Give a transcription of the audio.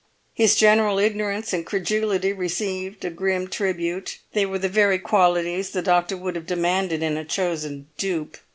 His general ignorance and credulity received a grim tribute; they were the very qualities the doctor would have demanded in a chosen dupe.